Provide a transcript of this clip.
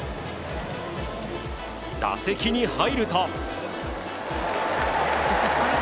打席に入ると。